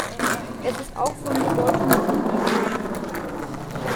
Es ist auch von Bedeutung, wie dies geschieht.